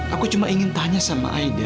aku cuma ingin tanya sama aida